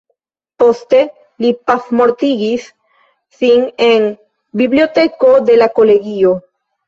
Poste li pafmortigis sin en biblioteko de la kolegio.